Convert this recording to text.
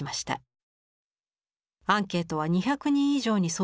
アンケートは２００人以上に送付されましたが